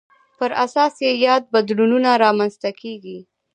پر اساس یې یاد بدلونونه رامنځته کېږي.